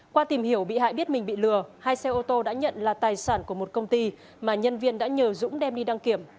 qua tìm hiểu bị hại biết mình bị lừa hai xe ô tô đã nhận là tài sản của một công ty mà nhân viên đã nhờ dũng đem đi đăng kiểm